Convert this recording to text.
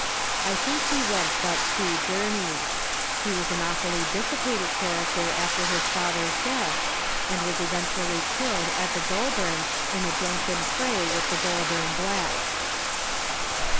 I think he went but two journeys ; he was an awfully dissipated character after his father's death, and was eventually killed at the Goulburn in a drunken fray with the Goulburn blacks.